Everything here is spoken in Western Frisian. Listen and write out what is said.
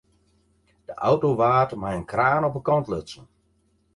De auto waard mei in kraan op de kant lutsen.